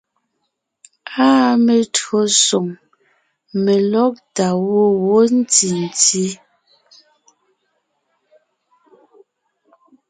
Áa metÿǒsoŋ , melɔ́gtà gwɔ̂ wó ntì ntí.